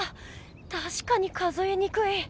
たしかに数えにくい。